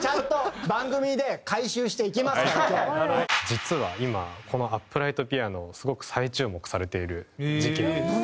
実は今このアップライトピアノすごく再注目されている時期なんです。